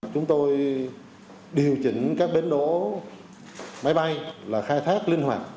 chúng tôi điều chỉnh các bến đổ máy bay là khai thác linh hoạt